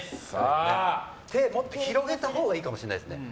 手をもっと広げたほうがいいかもしれないですね。